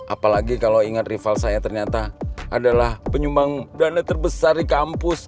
apalagi kalau ingat rival saya ternyata adalah penyumbang dana terbesar di kampus